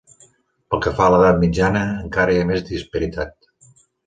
Pel que fa a l'edat màxima, encara hi ha més disparitat.